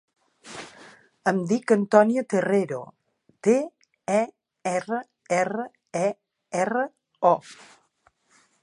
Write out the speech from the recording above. Em dic Antònia Terrero: te, e, erra, erra, e, erra, o.